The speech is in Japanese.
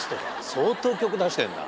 相当曲出してんな。